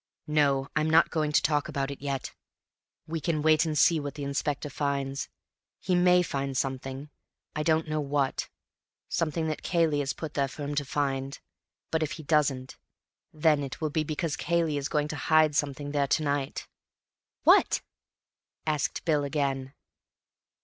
"No, I'm not going to talk about it yet. We can wait and see what the Inspector finds. He may find something—I don't know what—something that Cayley has put there for him to find. But if he doesn't, then it will be because Cayley is going to hide something there to night." "What?" asked Bill again.